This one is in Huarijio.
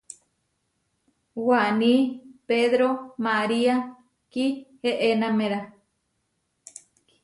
Waní Pedró María kieʼenaméra.